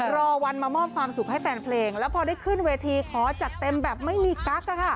รอวันมามอบความสุขให้แฟนเพลงแล้วพอได้ขึ้นเวทีขอจัดเต็มแบบไม่มีกั๊ก